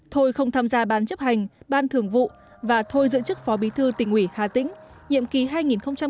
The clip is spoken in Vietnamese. thôi không tham gia bán chấp hành ban thường vụ và thôi giữ chức phó bí thư tỉnh ủy hà tĩnh nhiệm kỳ hai nghìn một mươi năm hai nghìn hai mươi